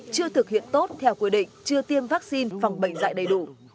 chưa thực hiện tốt theo quy định chưa tiêm vaccine phòng bệnh dạy đầy đủ